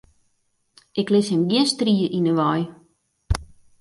Ik lis him gjin strie yn 'e wei.